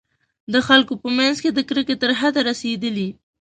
د خلکو په منځ کې د کرکې تر حده رسېدلي.